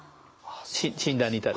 診断に至る。